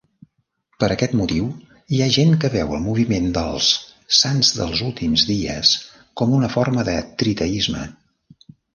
Per aquest motiu, hi ha gent que veu el moviment dels Sants dels Últims Dies com un forma de triteisme.